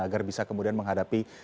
agar bisa kemudian menghadapi